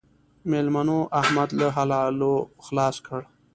مېلمنو؛ احمد له حلالو خلاص کړ.